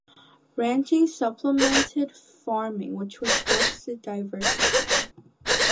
Ranching supplanted farming, which was forced to diversify.